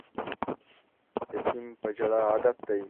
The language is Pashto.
یتیم په ژړا عادت دی